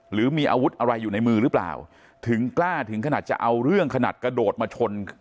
หรือมีอาวุธอะไรอยู่ในมือหรือเปล่าถึงกล้าถึงขนาดจะเอาเรื่องขนาดกระโดดมาชน